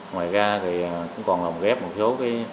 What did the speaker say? ngoài ra còn làm ghép một số